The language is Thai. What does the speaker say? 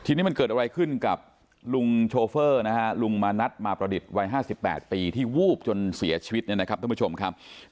ทีนี้มันเกิดอะไรขึ้นกับลุงโชเฟอร์นะฮะลุงมานัดมาประดิษฐ์วัย๕๘ปีที่วูบจนเสียชีวิตเนี่ยนะครับท่านผู้ชมครับ